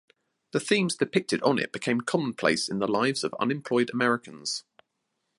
The themes depicted on it became commonplace in the lives of unemployed Americans.